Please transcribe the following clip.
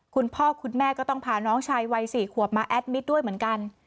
คุณพ่อคุณแม่ก็ต้องพาน้องชายวัย๔ขวบมาแอดมิตรด้วยเหมือนกัน